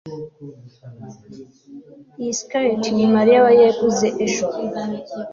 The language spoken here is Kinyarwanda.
Iyi skirt ni Mariya yaguze ejo